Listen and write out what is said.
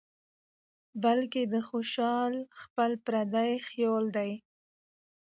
بلکې د خوشال خپل فردي خيال دى